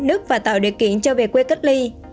nước và tạo điều kiện cho về quê cách ly